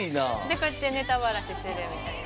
こうやってネタばらしするみたいな。